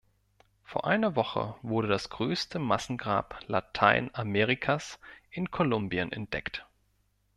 Vor einer Woche wurde das größte Massengrab Lateinamerikas in Kolumbien entdeckt.